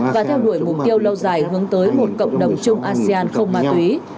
và theo đuổi mục tiêu lâu dài hướng tới một cộng đồng chung asean không ma túy